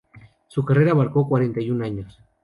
Su carrera abarcó cuarenta y un años.